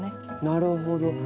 なるほど。